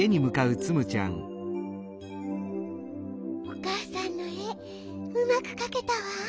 おかあさんのえうまくかけたわ。